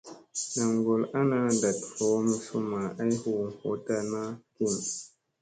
Nam gol ana ndat voʼom summa ay huu ngotta naa kim.